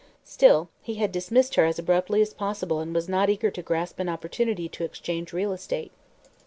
Still, he had dismissed her as abruptly as possible and was not eager to grasp an opportunity to exchange real estate.